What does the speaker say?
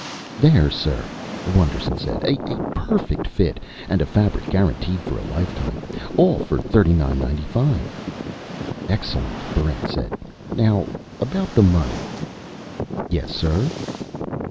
"There, sir!" Wonderson said. "A perfect fit, and a fabric guaranteed for a lifetime. All for thirty nine ninety five." "Excellent," Barrent said. "Now, about the money " "Yes, sir?"